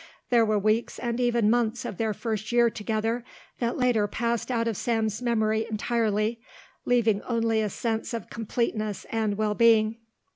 There were weeks and even months of their first year together that later passed out of Sam's memory entirely, leaving only a sense of completeness and well being.